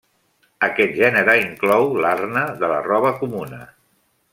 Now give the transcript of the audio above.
Aquest gènere inclou l'arna de la roba comuna.